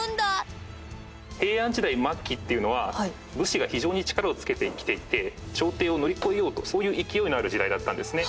武士が非常に力をつけてきていて朝廷を乗り越えようとそういう勢いのある時代だったんですね。